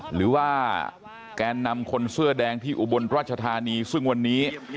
หรือว่าแกนนำคนเสื้อแดงที่อุบลราชธานีซึ่งวันนี้